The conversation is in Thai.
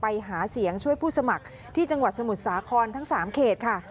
ไปหาเสียงช่วยผู้สมัครที่จังหวัดสมุทรสาครทั้ง๓เขตค่ะ